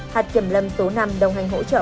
hạt kiểm lâm số năm đồng hành hỗ trợ